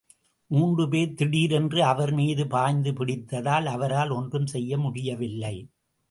மூன்று பேர் திடீரென்று அவர் மீது பாய்ந்து பிடித்ததால் அவரால் ஒன்றும் செய்ய முடியவில்லை.